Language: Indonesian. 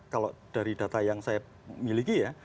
kalau dari data yang saya miliki ya